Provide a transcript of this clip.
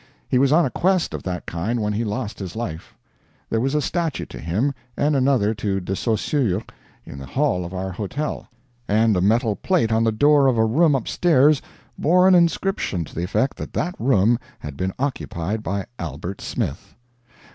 He was on a quest of that kind when he lost his life. There was a statue to him, and another to De Saussure, in the hall of our hotel, and a metal plate on the door of a room upstairs bore an inscription to the effect that that room had been occupied by Albert Smith.